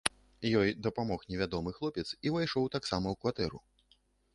Ёй дапамог невядомы хлопец і ўвайшоў таксама ў кватэру.